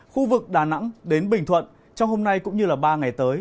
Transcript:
khu vực đà nẵng đến bình thuận trong hôm nay cũng như ba ngày tới